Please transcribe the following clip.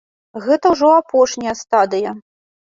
Гэта ўжо апошняя стадыя!